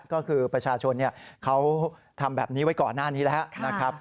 ก็คือประชาชนเขาทำแบบนี้ไว้ก่อนหน้านี้แล้วนะครับ